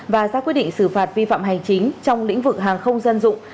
và ra quyết định xử phạt vi phạm hành chính trong lĩnh vực hàng không dân dụng